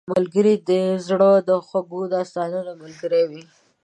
ملګری د زړه د خوږو داستانونو ملګری وي